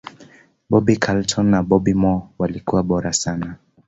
bobby charlton na bobby moore walikuwa bora sana